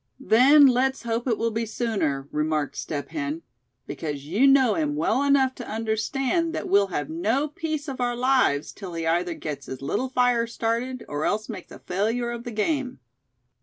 "Then let's hope it will be sooner," remarked Step Hen; "because you know him well enough to understand that we'll have no peace of our lives till he either gets his little fire started, or else makes a failure of the game."